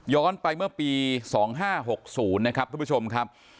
ไปเมื่อปี๒๕๖๐นะครับทุกผู้ชมครับ